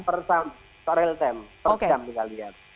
per jam kita lihat